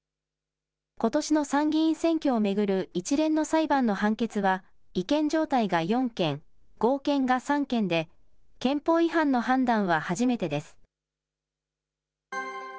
ことしの参議院選挙を巡る一連の裁判の判決は、違憲状態が４件、合憲が３件で、憲法違反の判断は初めてです。